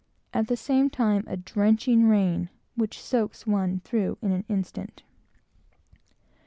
At the same time a drenching rain, which soaks one through in an instant.